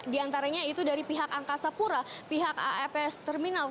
di antaranya itu dari pihak angkasa pura pihak afs terminal